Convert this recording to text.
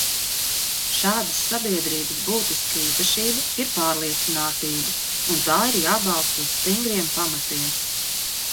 Šādas sabiedrības būtiska īpašība ir pārliecinātība, un tā ir jābalsta uz stingriem pamatiem.